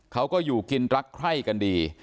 เขาก็อยู่กินรักใคร่กันดี